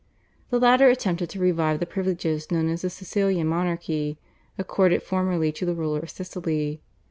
The latter attempted to revive the privileges known as the Sicilian Monarchy, accorded formerly to the ruler of Sicily.